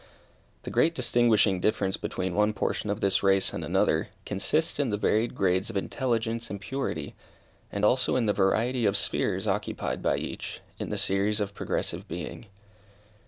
The great distinguishing difference between one portion of this race and another, consists in the varied grades of intelligence and purity, and also in the variety of spheres occupied by each, in the series of progressive being.